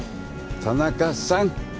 田中さん